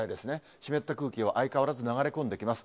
湿った空気は相変わらず流れ込んできます。